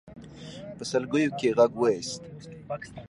په سلګيو کې يې غږ واېست.